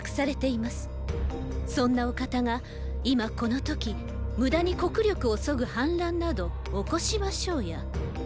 そんなお方が今この時無駄に国力を削ぐ反乱など起こしましょうや。